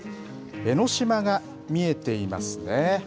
江の島が見えていますね。